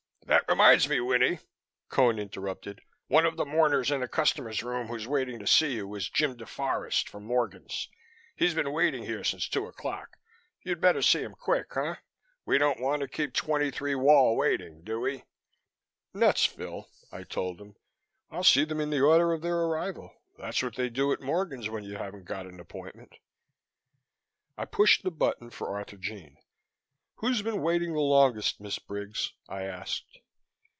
"That reminds me, Winnie," Cone interrupted, "one of the mourners in the customers room who's waiting to see you is Jim DeForest from Morgan's. He's been waiting here since two o'clock. You'd better see him quick, huh? We don't want to keep 23 Wall waiting, do we?" "Nuts, Phil," I told him. "I'll see them in the order of their arrival. That's what they do at Morgan's when you haven't got an appointment." I pushed the button for Arthurjean. "Who's been waiting the longest, Miss Briggs," I asked.